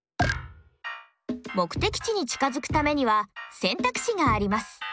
目的地に近づくためには選択肢があります。